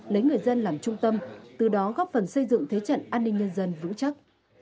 lấy người dân làm trung tâm từ đó góp phần xây dựng thế trận an ninh nhân dân vững chắc